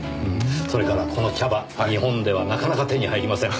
それからこの茶葉日本ではなかなか手に入りません。